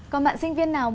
còn bạn sinh viên nào